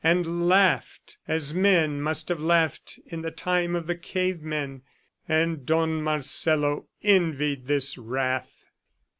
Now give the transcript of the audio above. . and laughed as men must have laughed in the time of the cave men. AND DON MARCELO ENVIED THIS WRATH!